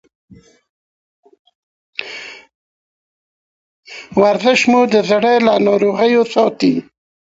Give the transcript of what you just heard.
ورزش مو د زړه له ناروغیو ساتي.